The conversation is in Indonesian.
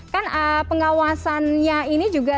kan pengawasannya ini juga